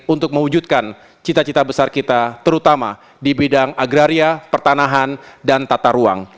untuk mewujudkan cita cita besar kita terutama di bidang agraria pertanahan dan tata ruang